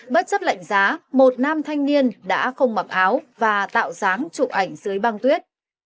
bất chấp lạnh giá một nam thanh niên đã không mặc áo và tạo dáng chụp ảnh dưới băng tuyết